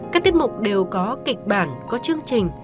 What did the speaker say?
các tiết mục đều có kịch bản có chương trình